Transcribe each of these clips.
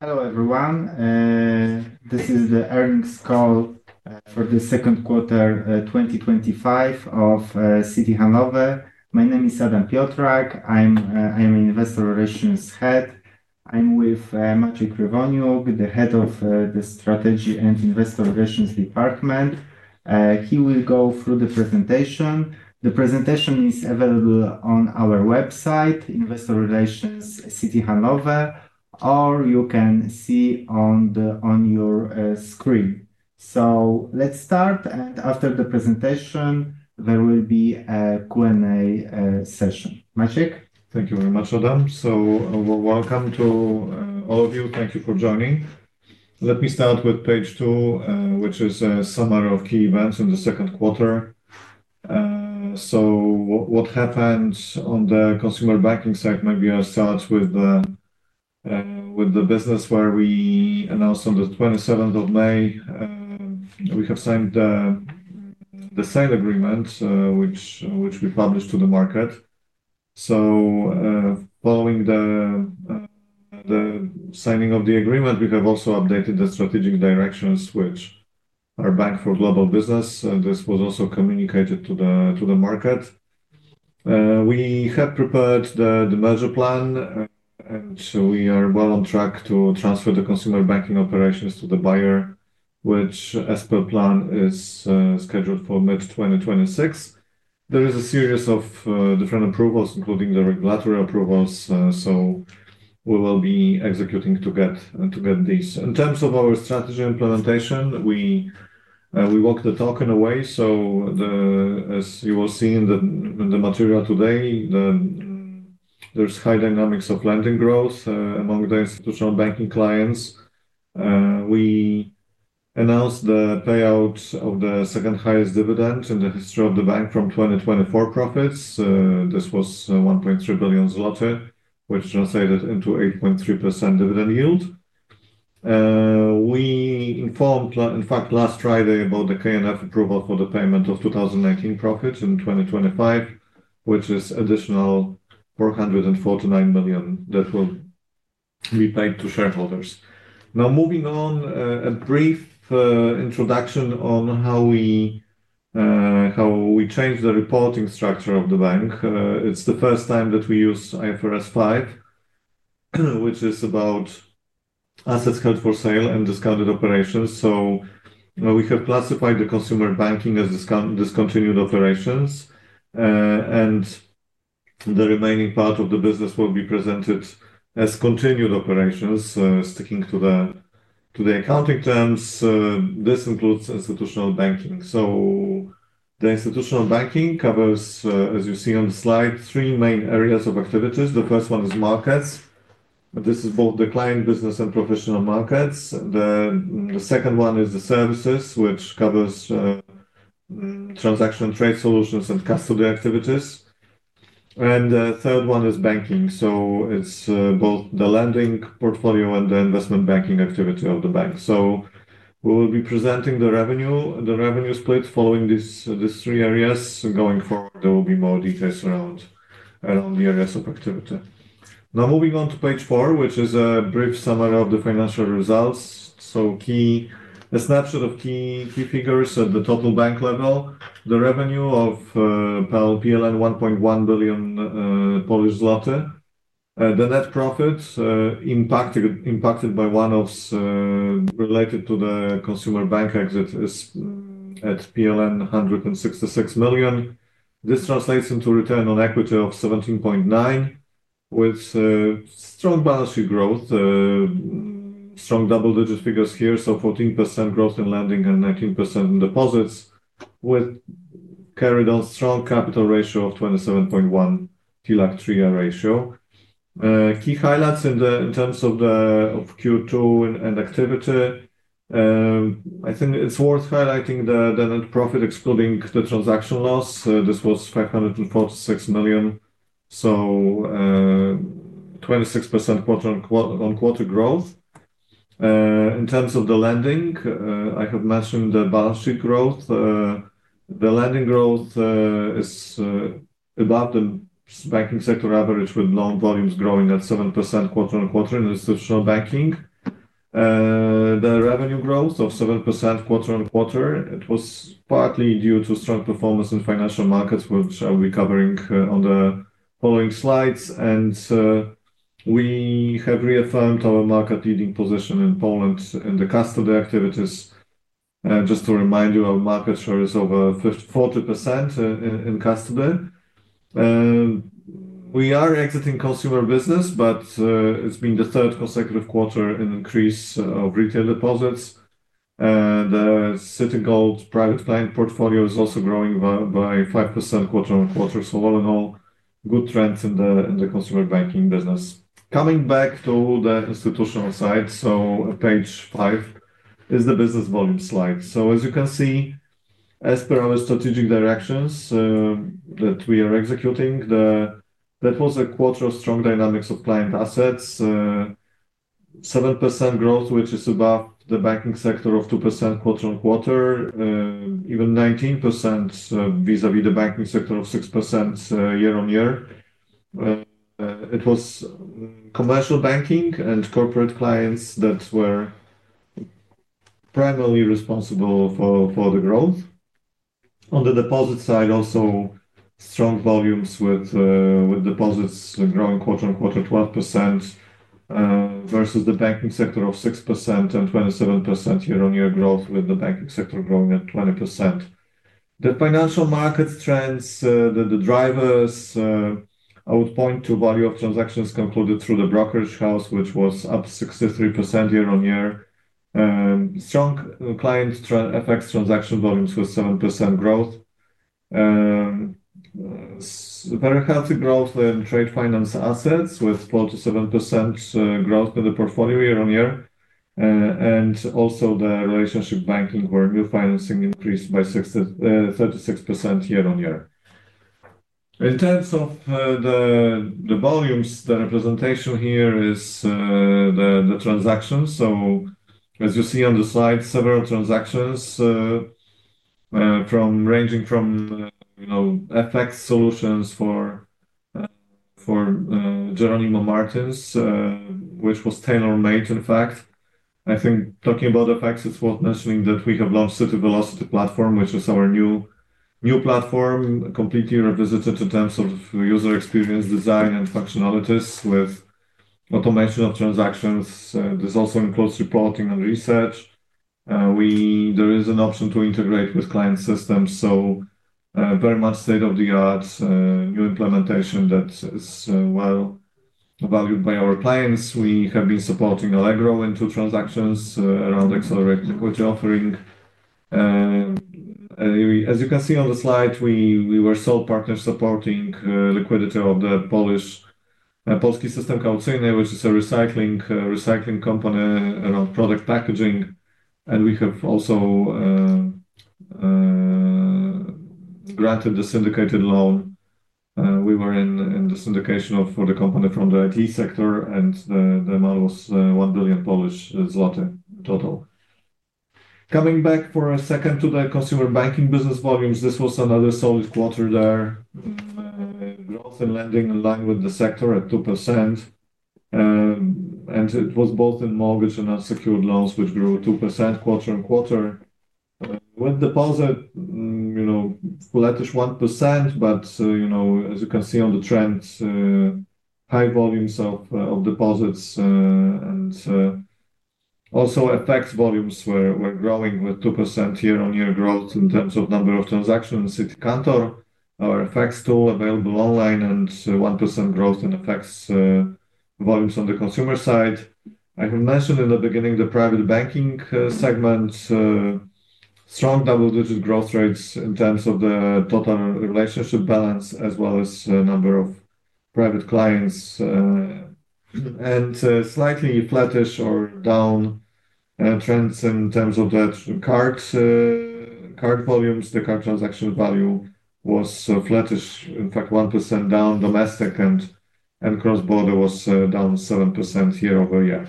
Hello everyone. This is the Earnings clCall for the Second Quarter 2025 of Citi Handlowy. My name is Adam Piotrak. I'm the Head of Investor Relations. I'm with Maciej Kowalczyk, the Head of Strategy and Investor Relations Department. He will go through the presentation. The presentation is available on our website, investorrelations.citihandlowy.com, or you can see it on your screen. Let's start. After the presentation, there will be a Q&A session. Maciej? Thank you very much, Adam. Welcome to all of you. Thank you for joining. Let me start with page two, which is a summary of key events in the second quarter. What happened on the consumer banking side? Maybe I'll start with the business where we announced on the 27th of May that we have signed the sale agreement, which we published to the market. Following the signing of the agreement, we have also updated the strategic directions, which our Bank for Global Business, this was also communicated to the market. We had prepared the merger plan, and we are well on track to transfer the consumer banking operations to the buyer, which, as per plan, is scheduled for mid-2026. There is a series of different approvals, including the regulatory approvals, so we will be executing to get this. In terms of our strategy implementation, we walked the talk in a way. As you will see in the material today, there's high dynamics of lending growth among the institutional banking clients. We announced the payout of the second highest dividend in the history of the bank from 2024 profits. This was 1.3 billion zloty, which translated into 8.3% dividend yield. We informed, in fact, last Friday about the KNF approval for the payment of 2019 profits in 2025, which is additional 449 million that will be paid to shareholders. Now, moving on, a brief introduction on how we changed the reporting structure of the bank. It's the first time that we use IFRS 5, which is about assets held for sale and discontinued operations. We have classified the consumer banking as discontinued operations, and the remaining part of the business will be presented as continued operations, sticking to the accounting terms. This includes institutional banking. The institutional banking covers, as you see on the slide, three main areas of activities. The first one is markets. This is both the client business and professional markets. The second one is the services, which covers transaction trade solutions and custody activities. The third one is banking. It's both the lending portfolio and the investment banking activity of the bank. We will be presenting the revenue split following these three areas. Going forward, there will be more details around the areas of activity. Now, moving on to page four, which is a brief summary of the financial results. A snapshot of key figures at the total bank level. The revenue of 1.1 billion Polish zloty. The net profit impacted by one of related to the consumer bank exit is at PLN 166 million. This translates into return on equity of 17.9%, with strong balance sheet growth, strong double-digit figures here. 14% growth in lending and 19% in deposits, with a carried-out strong capital ratio of 27.1%, TLAC 3A ratio. Key highlights in terms of the Q2 and activity. I think it's worth highlighting the net profit excluding the transaction loss. This was 546 million, 26% quarter-on-quarter growth. In terms of the lending, I have mentioned the balance sheet growth. The lending growth is above the banking sector average, with loan volumes growing at 7% quarter-on-quarter in institutional banking. The revenue growth of 7% quarter-on-quarter was partly due to strong performance in financial markets, which I'll be covering on the following slides. We have reaffirmed our market-leading position in Poland in the custody activities. Just to remind you, our market share is over 40% in custody. We are exiting consumer business, but it's been the third consecutive quarter in increase of retail deposits. The Citigold private client portfolio is also growing by 5% quarter-on-quarter. All in all, good trends in the consumer banking business. Coming back to the institutional side, page five is the business volume slide. As you can see, as per our strategic directions that we are executing, that was a quarter of strong dynamics of client assets. 7% growth, which is above the banking sector of 2% quarter-on-quarter, even 19% vis-à-vis the banking sector of 6% year-on-year. It was commercial banking and corporate clients that were primarily responsible for the growth. On the deposit side, also strong volumes with deposits growing quarter-on-quarter 12% versus the banking sector of 6% and 27% year-on-year growth, with the banking sector growing at 20%. The financial markets trends, the drivers, I would point to value of transactions concluded through the brokerage house, which was up 63% year-on-year. Strong client FX transaction volumes with 7% growth. Very healthy growth in trade finance assets with 47% growth in the portfolio year-on-year. Also the relationship banking where new financing increased by 36% year-on-year. In terms of the volumes, the representation here is the transactions. As you see on the slide, several transactions ranging from FX Solutions for Jeronimo Martins, which was tailor-made, in fact. I think talking about FX, it's worth mentioning that we have launched Citi Velocity platform, which is our new platform, completely revisited in terms of user experience design and functionalities with automation of transactions. This also includes reporting and research. There is an option to integrate with client systems. Very much state-of-the-art new implementation that is well valued by our clients. We have been supporting Allegro in transactions around accelerated liquidity offering. As you can see on the slide, we were sole partners supporting liquidity of the Polish Polski System Kaucyjny, which is a recycling company around product packaging. We have also granted the syndicated loan. We were in the syndication of the company from the IT sector, and the amount was 1 billion Polish zloty total. Coming back for a second to the consumer banking business volumes, this was another solid quarter there. Growth in lending in line with the sector at 2%. It was both in mortgage and unsecured loans, which grew 2% quarter-on-quarter. With deposit, flattish 1%, but as you can see on the trends, high volumes of deposits and also FX volumes were growing with 2% year-on-year growth in terms of number of transactions in Citi Kantor, our FX tool available online, and 1% growth in FX volumes on the consumer side. I have mentioned in the beginning the private banking segment, strong double-digit growth rates in terms of the total relationship balance, as well as the number of private clients. Slightly flattish or down trends in terms of the card volumes. The card transaction value was flattish, in fact, 1% down domestic, and cross-border was down 7% year-over-year.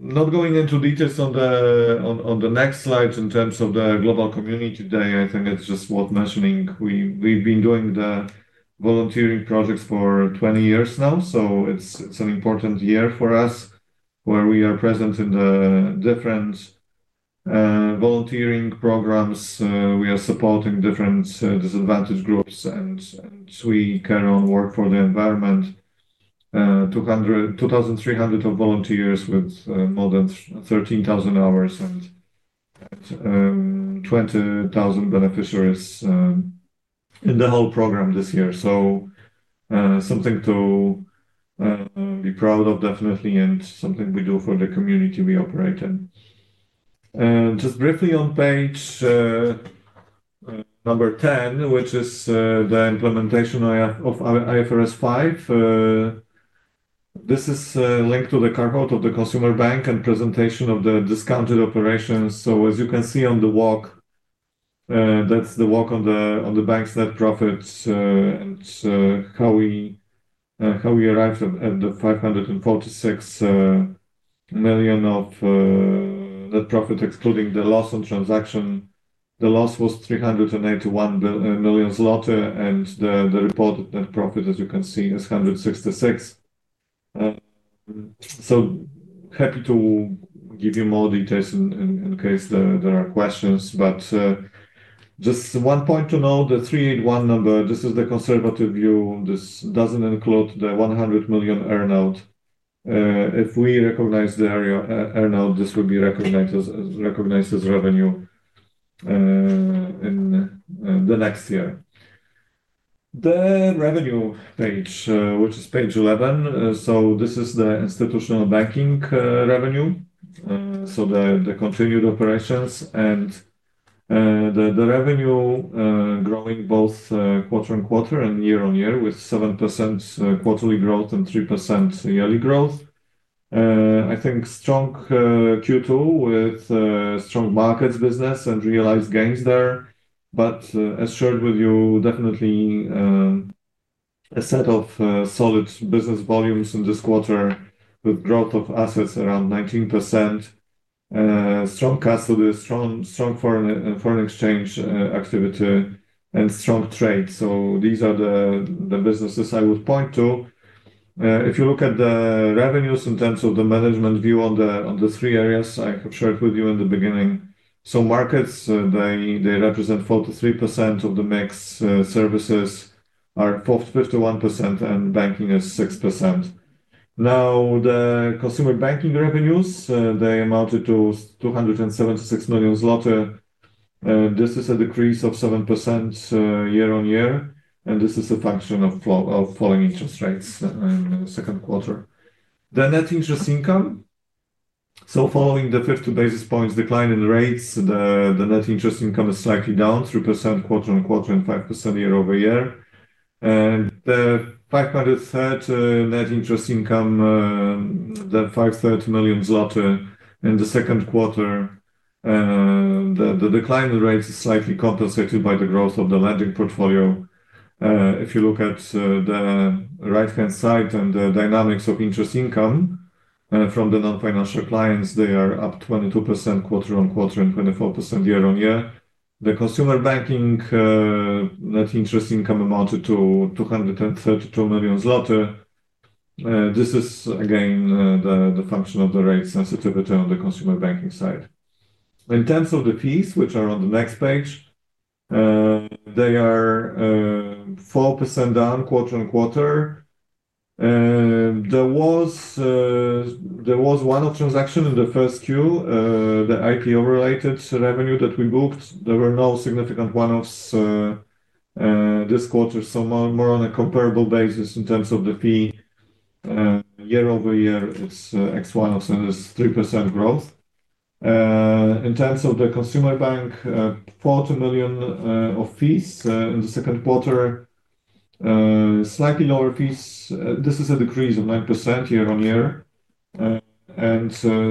Not going into details on the next slide in terms of the Global Community Day, I think it's just worth mentioning. We've been doing the volunteering projects for 20 years now. It's an important year for us where we are present in the different volunteering programs. We are supporting different disadvantaged groups, and we carry on work for the environment. 2,300 volunteers with more than 13,000 hours and 20,000 beneficiaries in the whole program this year. Something to be proud of, definitely, and something we do for the community we operate in. Just briefly on page number 10, which is the implementation of IFRS 5, this is linked to the carve-out of the consumer bank and presentation of the discontinued operations. As you can see on the walk, that's the walk on the bank's net profits and how we arrived at the 546 million of net profit, excluding the loss on transaction. The loss was 381 million zloty, and the reported net profit, as you can see, is 166 million. Happy to give you more details in case there are questions. Just one point to note, the 381 million number, this is the conservative view. This doesn't include the 100 million earnout. If we recognize the earnout, this would be recognized as revenue in the next year. The revenue page, which is page 11, this is the institutional banking revenue, so the continued operations. The revenue is growing both quarter-on-quarter and year-on-year with 7% quarterly growth and 3% yearly growth. I think strong Q2 with strong markets business and realized gains there. As shared with you, definitely a set of solid business volumes in this quarter with growth of assets around 19%. Strong custody, strong foreign exchange activity, and strong trade. These are the businesses I would point to. If you look at the revenues in terms of the management view on the three areas I have shared with you in the beginning, markets represent 43% of the mix. Services are 51%, and banking is 6%. The consumer banking revenues amounted to 276 million zloty. This is a decrease of 7% year-on-year, and this is a function of falling interest rates in the second quarter. The net interest income, following the 50 basis points decline in rates, is slightly down 3% quarter-on-quarter and 5% year-over-year. The 530 million net interest income in the second quarter, the decline in rates is slightly compensated by the growth of the lending portfolio. If you look at the right-hand side and the dynamics of interest income from the non-financial clients, they are up 22% quarter-on-quarter and 24% year-on-year. The consumer banking net interest income amounted to 232 million zloty. This is again the function of the rate sensitivity on the consumer banking side. In terms of the fees, which are on the next page, they are 4% down quarter-on-quarter. There was a one-off transaction in the first quarter, the IPO-related revenue that we booked. There were no significant one-offs this quarter, so more on a comparable basis in terms of the fee. Year-over-year, it's ex-one-offs and it's 3% growth. In terms of the consumer bank, 40 million of fees in the second quarter, slightly lower fees. This is a decrease of 9% year-on-year.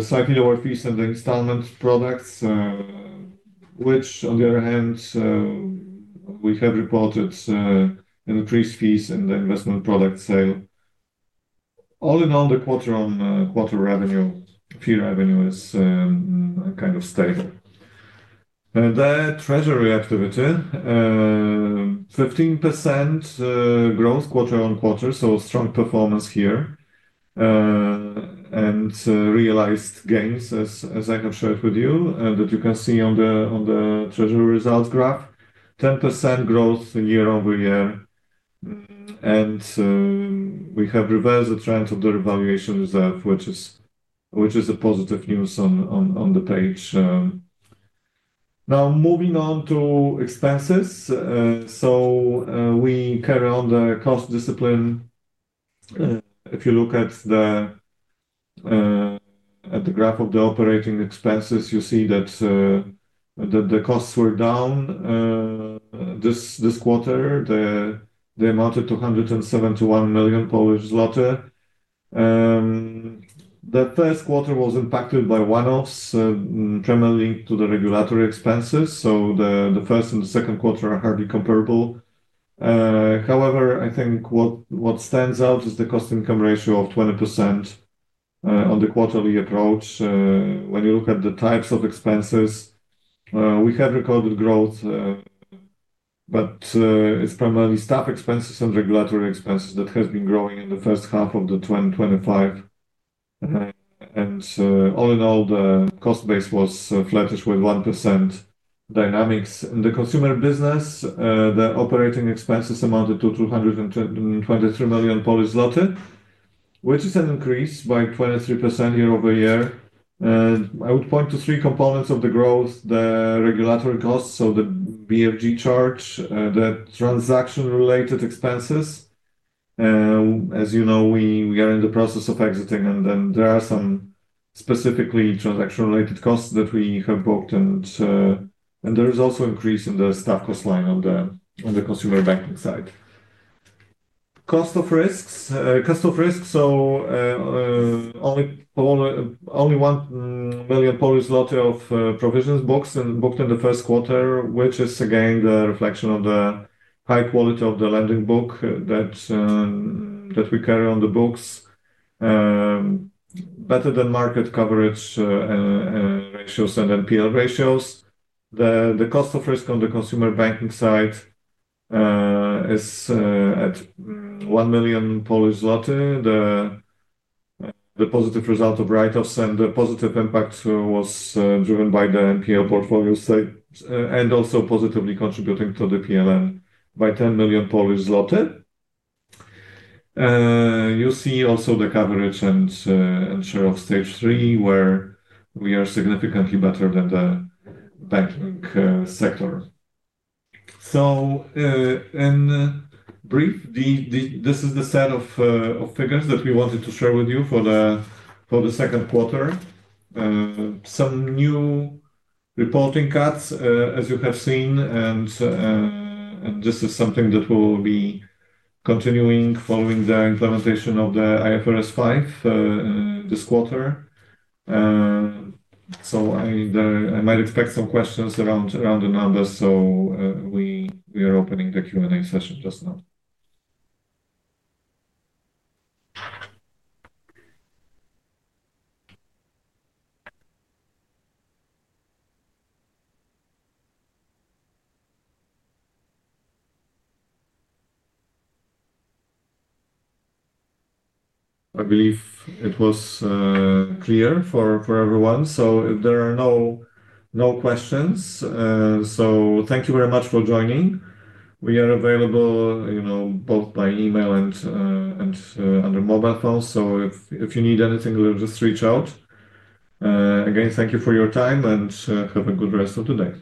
Slightly lower fees in the installment products, which on the other hand, we have reported an increased fee in the investment product sale. All in all, the quarter-on-quarter fee revenue is kind of stable. The treasury activity, 15% growth quarter-on-quarter, strong performance here. Realized gains, as I have shared with you, that you can see on the treasury results graph, 10% growth year-over-year. We have reversed the trend of the revaluation reserve, which is positive news on the page. Now, moving on to expenses. We carry on the cost discipline. If you look at the graph of the operating expenses, you see that the costs were down this quarter. They amounted to 171 million Polish zloty. The first quarter was impacted by one-offs, primarily due to the regulatory expenses. The first and the second quarter are hardly comparable. However, I think what stands out is the cost-income ratio of 20% on the quarterly approach. When you look at the types of expenses, we have recorded growth, but it's primarily staff expenses and regulatory expenses that have been growing in the first half of 2025. All in all, the cost base was flattish with 1% dynamics. In the consumer business, the operating expenses amounted to 223 million Polish zloty, which is an increase by 23% year-over-year. I would point to three components of the growth: the regulatory costs, so the BFG charge, the transaction-related expenses. As you know, we are in the process of exiting, and there are some specifically transaction-related costs that we have booked. There is also an increase in the staff cost line on the consumer banking side. Cost of risks. Cost of risks, only 1 million of provisions booked in the first quarter, which is again the reflection of the high quality of the lending book that we carry on the books, better than market coverage ratios and NPL ratios. The cost of risk on the consumer banking side is at 1 million Polish zloty. The positive result of write-offs and the positive impact was driven by the NPL portfolio side and also positively contributing to the PLN by 10 million Polish zloty. You see also the coverage and share of stage three, where we are significantly better than the banking sector. In brief, this is the set of figures that we wanted to share with you for the second quarter. Some new reporting cuts, as you have seen, and this is something that will be continuing following the implementation of IFRS 5 this quarter. I might expect some questions around the numbers, so we are opening the Q&A session just now. I believe it was clear for everyone. There are no questions. Thank you very much for joining. We are available, you know, both by email and on the mobile phone. If you need anything, just reach out. Again, thank you for your time and have a good rest of the day.